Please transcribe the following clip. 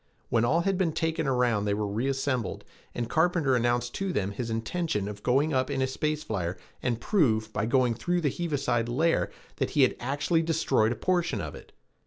When all had been taken around they were reassembled and Carpenter announced to them his intention of going up in a space flyer and prove, by going through the heaviside layer, that he had actually destroyed a portion of it.